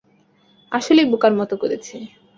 আসলেই বোকার মত করেছি!